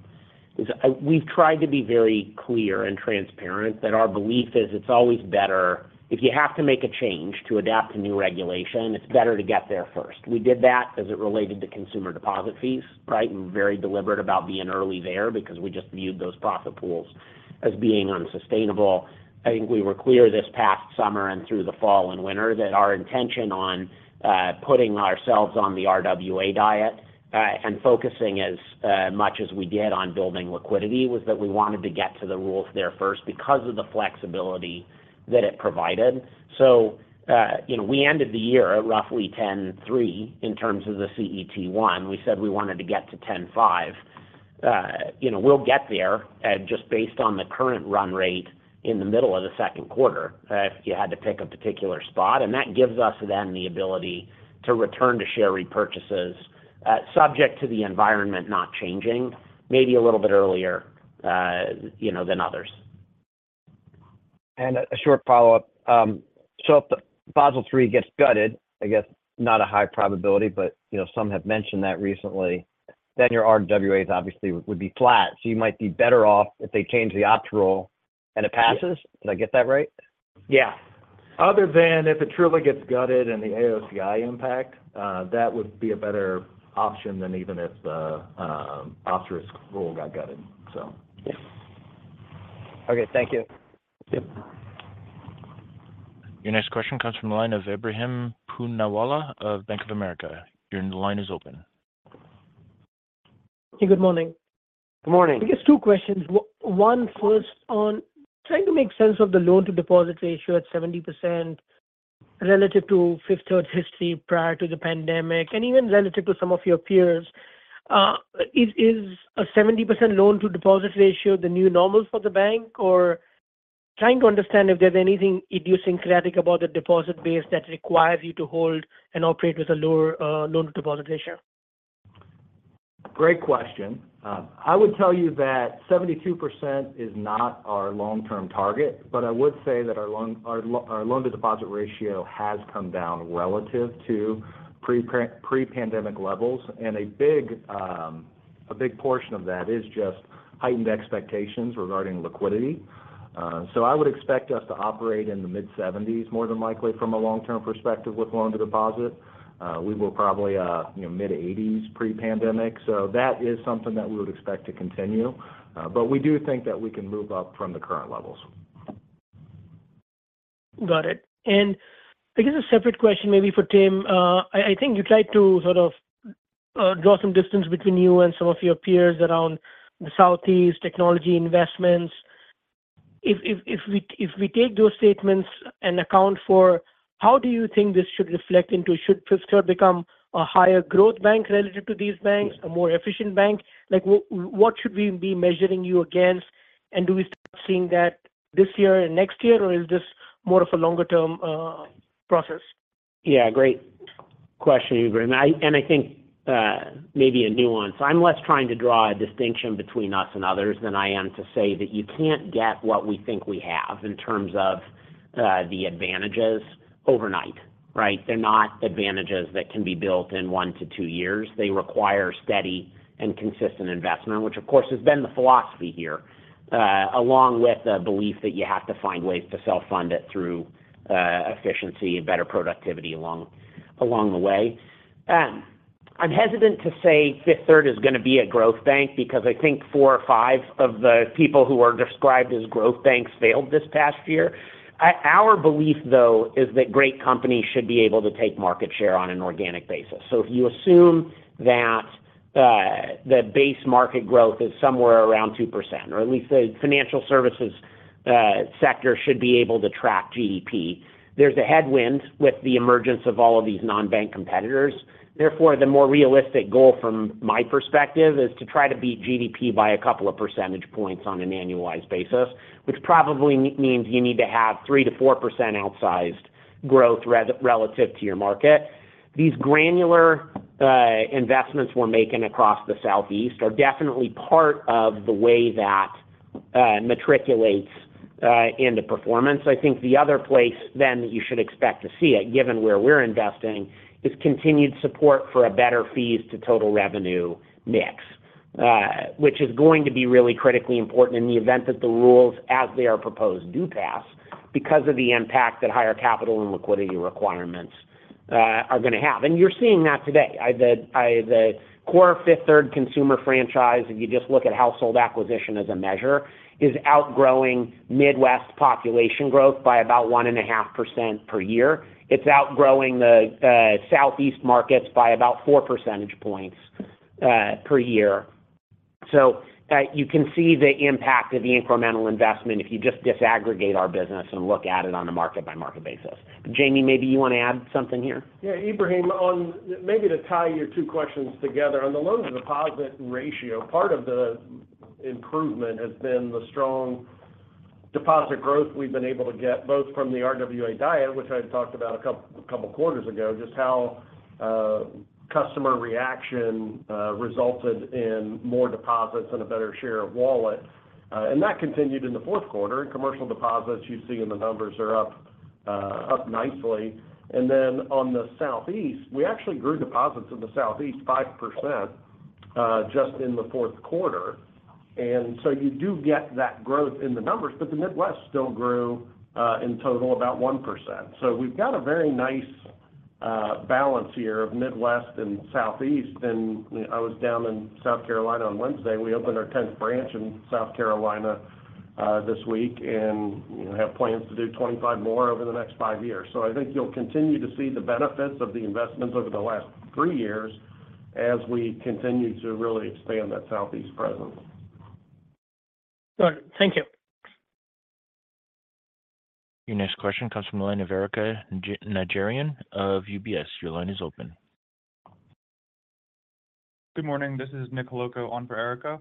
is, we've tried to be very clear and transparent, that our belief is it's always better, if you have to make a change to adapt to new regulation, it's better to get there first. We did that as it related to consumer deposit fees, right? Very deliberate about being early there because we just viewed those profit pools as being unsustainable. I think we were clear this past summer and through the fall and winter, that our intention on putting ourselves on the RWA diet, and focusing as much as we did on building liquidity, was that we wanted to get to the rules there first because of the flexibility that it provided. So, you know, we ended the year at roughly 10.3% in terms of the CET1. We said we wanted to get to 10.5%. You know, we'll get there, just based on the current run rate in the middle of the second quarter, if you had to pick a particular spot, and that gives us then the ability to return to share repurchases, subject to the environment not changing, maybe a little bit earlier, you know, than others. A short follow-up. So if the Basel III gets gutted, I guess not a high probability, but, you know, some have mentioned that recently, then your RWAs obviously would be flat. So you might be better off if they change the ops rule, and it passes. Did I get that right? Yeah. Other than if it truly gets gutted and the AOCI impact, that would be a better option than even if the ops risk rule got gutted, so. Yeah. Okay, thank you. Yep. Your next question comes from the line of Ebrahim Poonawala of Bank of America. Your line is open. Hey, good morning. Good morning. I guess two questions. One, first, on trying to make sense of the loan-to-deposit ratio at 70% relative to Fifth Third history prior to the pandemic, and even relative to some of your peers. Is a 70% loan-to-deposit ratio the new normal for the bank? Or trying to understand if there's anything idiosyncratic about the deposit base that requires you to hold and operate with a lower loan-to-deposit ratio. Great question. I would tell you that 72% is not our long-term target, but I would say that our loan-to-deposit ratio has come down relative to pre-pandemic levels. And a big, a big portion of that is just heightened expectations regarding liquidity. So I would expect us to operate in the mid-seventies, more than likely from a long-term perspective with loan-to-deposit. We were probably, you know, mid-eighties pre-pandemic, so that is something that we would expect to continue. But we do think that we can move up from the current levels. Got it. And I guess a separate question, maybe for Tim. I think you tried to sort of draw some distance between you and some of your peers around the Southeast technology investments. If we take those statements and account for... How do you think this should reflect into—should Fifth Third become a higher growth bank relative to these banks, a more efficient bank? Like, what should we be measuring you against, and do we start seeing that this year and next year, or is this more of a longer-term process? Yeah, great question, Ebrahim. And I think, maybe a nuance. I'm less trying to draw a distinction between us and others than I am to say that you can't get what we think we have in terms of the advantages overnight, right? They're not advantages that can be built in one to two years. They require steady and consistent investment, which, of course, has been the philosophy here, along with the belief that you have to find ways to self-fund it through efficiency and better productivity along the way. I'm hesitant to say Fifth Third is going to be a growth bank because I think four or five of the people who are described as growth banks failed this past year. Our belief, though, is that great companies should be able to take market share on an organic basis. So if you assume that the base market growth is somewhere around 2%, or at least the financial services sector should be able to track GDP, there's a headwind with the emergence of all of these non-bank competitors. Therefore, the more realistic goal from my perspective is to try to beat GDP by a couple of percentage points on an annualized basis, which probably means you need to have 3%-4% outsized growth relative to your market. These granular investments we're making across the Southeast are definitely part of the way that matriculates into performance. I think the other place then that you should expect to see it, given where we're investing, is continued support for a better fees to total revenue mix. Which is going to be really critically important in the event that the rules, as they are proposed, do pass because of the impact that higher capital and liquidity requirements are going to have. And you're seeing that today. The core Fifth Third consumer franchise, if you just look at household acquisition as a measure, is outgrowing Midwest population growth by about 1.5% per year. It's outgrowing the Southeast markets by about four percentage points per year. So you can see the impact of the incremental investment if you just disaggregate our business and look at it on a market-by-market basis. Jamie, maybe you want to add something here? Yeah, Ebrahim, maybe to tie your two questions together, on the loans and deposit ratio, part of the improvement has been the strong deposit growth we've been able to get, both from the RWA diet, which I talked about a couple quarters ago, just how customer reaction resulted in more deposits and a better share of wallet. That continued in the fourth quarter. Commercial deposits, you see in the numbers, are up nicely. And then on the Southeast, we actually grew deposits in the Southeast 5%, just in the fourth quarter. And so you do get that growth in the numbers, but the Midwest still grew, in total about 1%. So we've got a very nice balance here of Midwest and Southeast. And I was down in South Carolina on Wednesday. We opened our tenth branch in South Carolina this week, and we have plans to do 25 more over the next 5 years. I think you'll continue to see the benefits of the investments over the last 3 years as we continue to really expand that Southeast presence. Good. Thank you. Your next question comes from the line of Erika Najarian of UBS. Your line is open. Good morning, this is Nick Holowko on for Erika.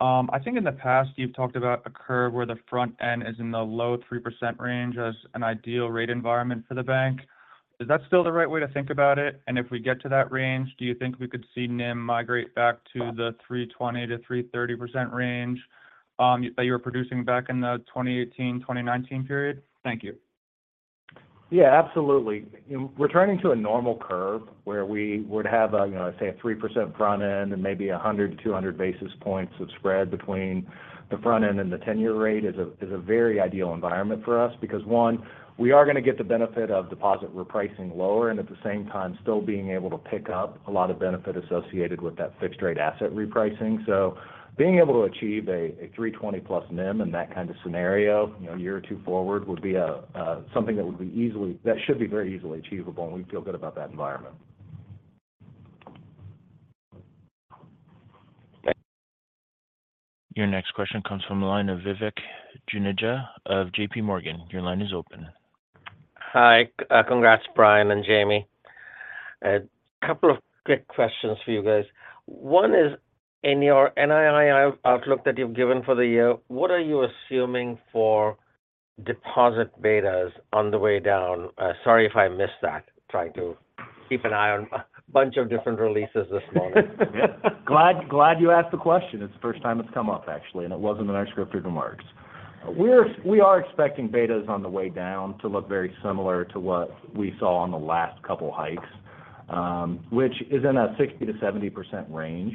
I think in the past, you've talked about a curve where the front end is in the low 3% range as an ideal rate environment for the bank. Is that still the right way to think about it? And if we get to that range, do you think we could see NIM migrate back to the 3.20%-3.30% range that you were producing back in the 2018, 2019 period? Thank you. Yeah, absolutely. Returning to a normal curve where we would have a, you know, say, a 3% front end and maybe 100-200 basis points of spread between the front end and the ten-year rate is a, is a very ideal environment for us. Because one, we are going to get the benefit of deposit repricing lower, and at the same time, still being able to pick up a lot of benefit associated with that fixed rate asset repricing. So being able to achieve a, a 3.20%+ NIM in that kind of scenario, you know, a year or two forward, would be a, a, something that would be easily-- that should be very easily achievable, and we feel good about that environment. Your next question comes from the line of Vivek Juneja of JPMorgan. Your line is open. Hi. Congrats, Bryan and Jamie. A couple of quick questions for you guys. One is, in your NII outlook that you've given for the year, what are you assuming for deposit betas on the way down? Sorry if I missed that. Trying to keep an eye on a bunch of different releases this morning. Glad, glad you asked the question. It's the first time it's come up, actually, and it wasn't in our scripted remarks. We are expecting betas on the way down to look very similar to what we saw on the last couple hikes, which is in a 60%-70% range.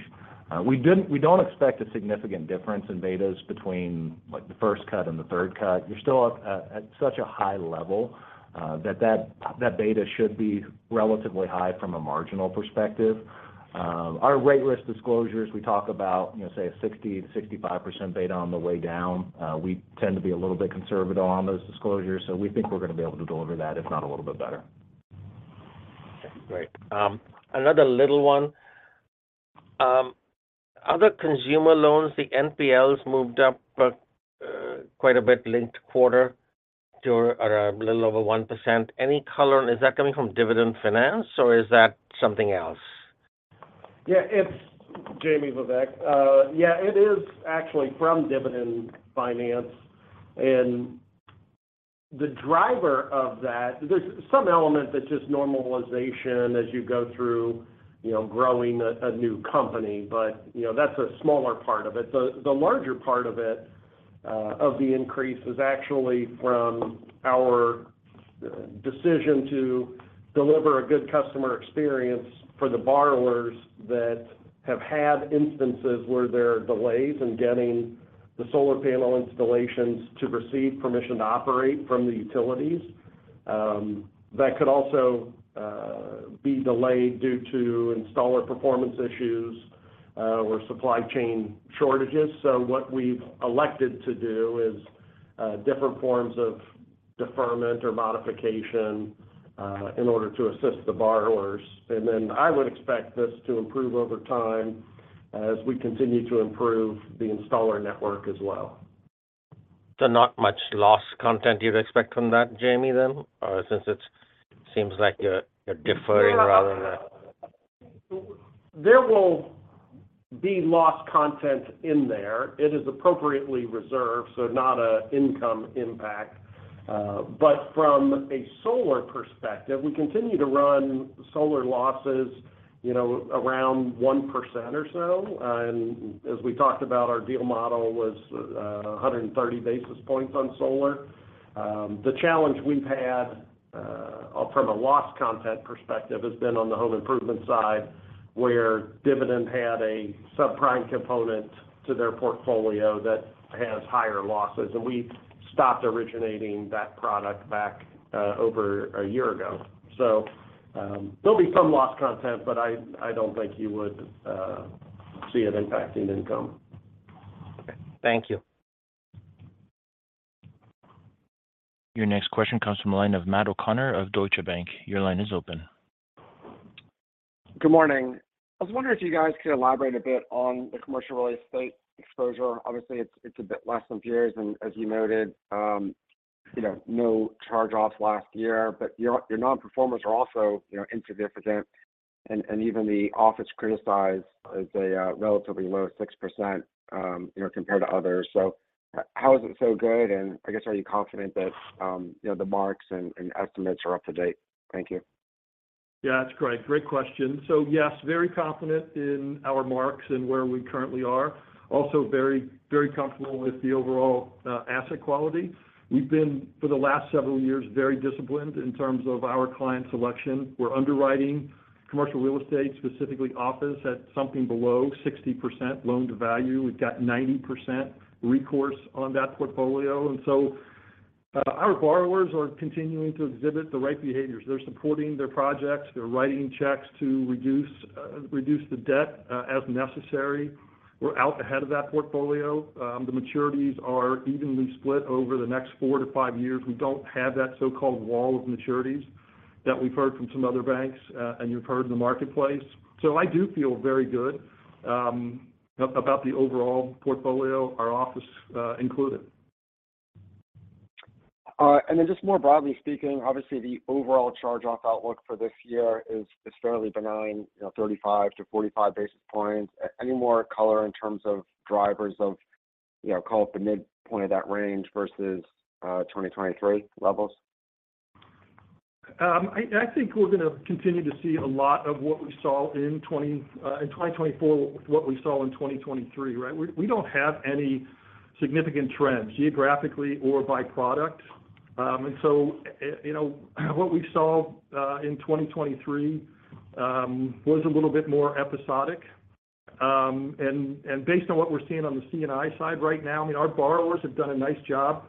We don't expect a significant difference in betas between, like, the first cut and the third cut. You're still up at such a high level that that beta should be relatively high from a marginal perspective. Our rate risk disclosures, we talk about, you know, say, a 60%-65% beta on the way down. We tend to be a little bit conservative on those disclosures, so we think we're going to be able to deliver that, if not a little bit better. Great. Another little one. Other consumer loans, the NPLs moved up quite a bit linked quarter to a little over 1%. Any color? Is that coming from Dividend Finance or is that something else? Yeah, it's Jamie, Vivek. Yeah, it is actually from Dividend Finance. And the driver of that, there's some element that's just normalization as you go through, you know, growing a new company, but, you know, that's a smaller part of it. The larger part of it, of the increase is actually from our decision to deliver a good customer experience for the borrowers that have had instances where there are delays in getting the solar panel installations to receive permission to operate from the utilities. That could also be delayed due to installer performance issues or supply chain shortages. So what we've elected to do is different forms of deferment or modification in order to assist the borrowers. And then I would expect this to improve over time as we continue to improve the installer network as well. Not much loss content you'd expect from that, Jamie, then? Since it seems like you're deferring rather than, There will be loss content in there. It is appropriately reserved, so not an income impact. But from a solar perspective, we continue to run solar losses, you know, around 1% or so. And as we talked about, our deal model was 130 basis points on solar. The challenge we've had from a loss content perspective has been on the home improvement side, where Dividend had a subprime component to their portfolio that has higher losses. And we stopped originating that product back over a year ago. So, there'll be some loss content, but I don't think you would see it impacting income. Okay. Thank you. Your next question comes from the line of Matt O'Connor of Deutsche Bank. Your line is open. Good morning. I was wondering if you guys could elaborate a bit on the commercial real estate exposure. Obviously, it's a bit less than peers, and as you noted, you know, no charge-offs last year. But your nonperformers are also, you know, insignificant, and even the office criticized is a relatively low 6%, you know, compared to others. So how is it so good? And I guess, are you confident that, you know, the marks and estimates are up to date? Thank you. Yeah, that's great. Great question. So yes, very confident in our marks and where we currently are. Also very, very comfortable with the overall, asset quality. We've been, for the last several years, very disciplined in terms of our client selection. We're underwriting commercial real estate, specifically office, at something below 60% loan to value. We've got 90% recourse on that portfolio, and so, our borrowers are continuing to exhibit the right behaviors. They're supporting their projects, they're writing checks to reduce the debt, as necessary. We're out ahead of that portfolio. The maturities are evenly split over the next 4-5 years. We don't have that so-called wall of maturities that we've heard from some other banks, and you've heard in the marketplace. So I do feel very good, about the overall portfolio, our office, included. And then just more broadly speaking, obviously, the overall charge-off outlook for this year is, is fairly benign, you know, 35-45 basis points. Any more color in terms of drivers of, you know, call it the midpoint of that range versus, 2023 levels? I think we're going to continue to see a lot of what we saw in 2024, what we saw in 2023, right? We don't have any significant trends, geographically or by product. And so, you know, what we saw in 2023 was a little bit more episodic. And based on what we're seeing on the C&I side right now, I mean, our borrowers have done a nice job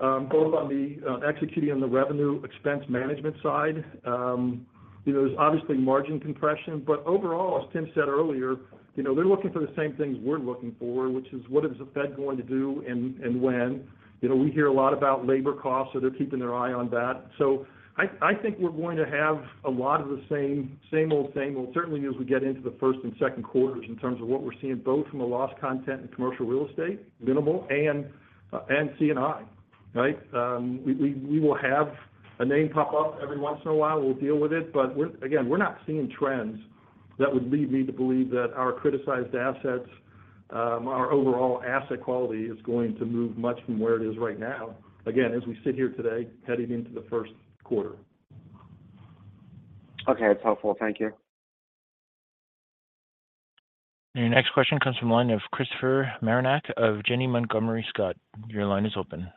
both on the executing on the revenue expense management side. You know, there's obviously margin compression, but overall, as Tim said earlier, you know, they're looking for the same things we're looking for, which is: what is the Fed going to do and when? You know, we hear a lot about labor costs, so they're keeping their eye on that. So I think we're going to have a lot of the same, same old, same old, certainly as we get into the first and second quarters in terms of what we're seeing, both from a loss content and commercial real estate, minimal, and C&I. Right? We will have a name pop up every once in a while, we'll deal with it. But we're again, we're not seeing trends that would lead me to believe that our criticized assets, our overall asset quality is going to move much from where it is right now, again, as we sit here today, heading into the first quarter. Okay. It's helpful. Thank you. Your next question comes from line of Christopher Marinac of Janney Montgomery Scott. Your line is open.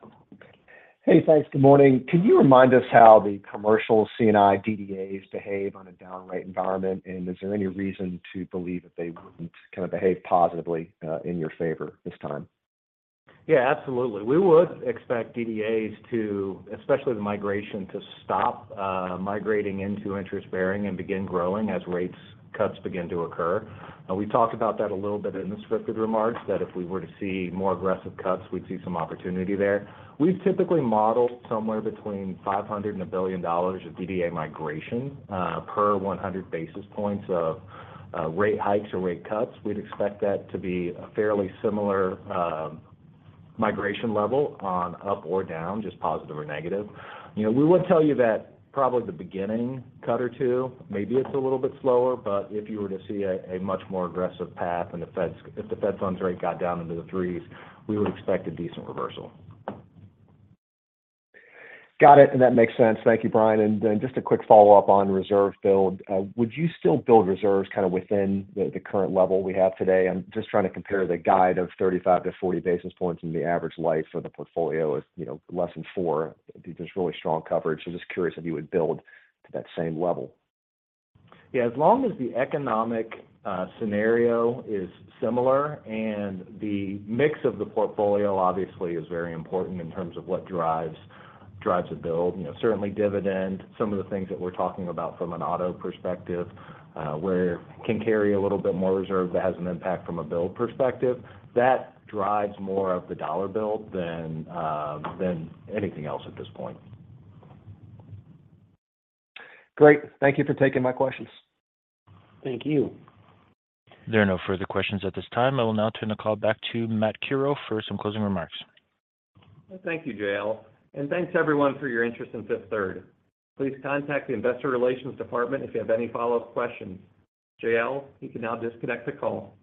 Hey, thanks. Good morning. Can you remind us how the commercial C&I DDAs behave on a down rate environment? Is there any reason to believe that they wouldn't kind of behave positively in your favor this time? Yeah, absolutely. We would expect DDAs to, especially the migration, to stop, migrating into interest bearing and begin growing as rates cuts begin to occur. And we talked about that a little bit in the scripted remarks, that if we were to see more aggressive cuts, we'd see some opportunity there. We've typically modeled somewhere between $500 million and $1 billion of DDA migration, per 100 basis points of, rate hikes or rate cuts. We'd expect that to be a fairly similar, migration level on up or down, just positive or negative. You know, we would tell you that probably the beginning cut or two, maybe it's a little bit slower, but if you were to see a, a much more aggressive path and the Feds, if the Fed funds rate got down into the threes, we would expect a decent reversal. Got it, and that makes sense. Thank you, Bryan. And then just a quick follow-up on reserve build. Would you still build reserves kind of within the current level we have today? I'm just trying to compare the guide of 35-40 basis points, and the average life of the portfolio is, you know, less than 4. There's really strong coverage, so just curious if you would build to that same level. Yeah, as long as the economic scenario is similar, and the mix of the portfolio, obviously, is very important in terms of what drives, drives the build. You know, certainly dividend, some of the things that we're talking about from an auto perspective, where it can carry a little bit more reserve that has an impact from a build perspective. That drives more of the dollar build than, than anything else at this point. Great. Thank you for taking my questions. Thank you. There are no further questions at this time. I will now turn the call back to Matt Curoe for some closing remarks. Thank you, JL, and thanks everyone for your interest in Fifth Third. Please contact the investor relations department if you have any follow-up questions. JL, you can now disconnect the call.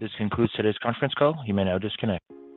This concludes today's conference call. You may now disconnect.